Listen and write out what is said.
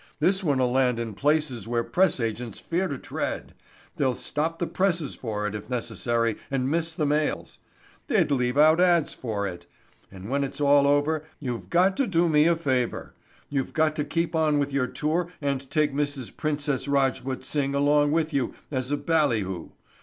"This one'll land in places where press agents fear to tread. They'd stop the presses for it, if necessary, and miss the mails. They'd leave out ads for it. And when it's all over you've got to do me a favor. You've got to keep on with your tour and take Mrs. Princess Rajput Singh along with you as a bally hoo.